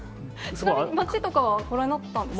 ちなみに街とかはご覧になったんですか？